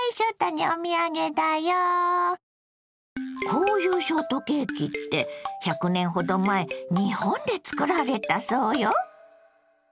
こういうショートケーキって１００年ほど前日本で作られたそうよ。